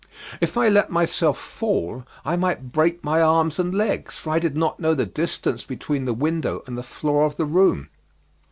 If I let myself fall I might break my arms and legs, for I did not know the distance between the window and the floor of the room.